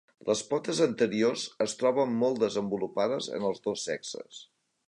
Les potes anteriors es troben molt desenvolupades en els dos sexes.